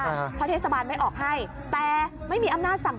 เพราะเทศบาลไม่ออกให้แต่ไม่มีอำนาจสั่ง